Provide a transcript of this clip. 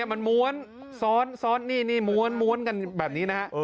มันม้วนซ้อนนี่นี่ม้วนกันแบบนี้นะฮะ